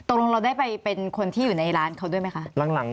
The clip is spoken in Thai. เราได้ไปเป็นคนที่อยู่ในร้านเขาด้วยไหมคะ